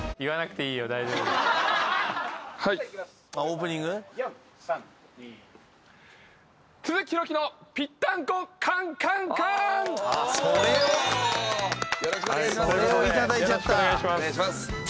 大丈夫よろしくお願いします